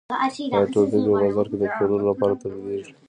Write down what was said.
دا ټول توکي په بازار کې د پلورلو لپاره تولیدېږي